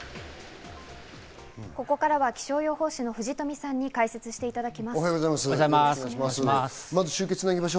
ここからは気象予報士の藤富さんに解説していただきます。